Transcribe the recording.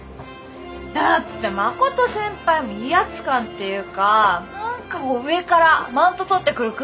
だって真琴先輩威圧感っていうか何か上からマウント取ってくる空気っていうか。